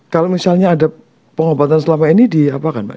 kalau misalnya ada pengobatan selama ini diapakan pak